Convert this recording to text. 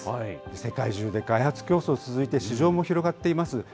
世界中で開発競争続いて、市場も広がっています。